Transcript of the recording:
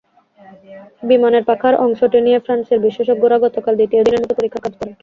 বিমানের পাখার অংশটি নিয়ে ফ্রান্সের বিশেষজ্ঞরা গতকাল দ্বিতীয় দিনের মতো পরীক্ষার কাজ করেন।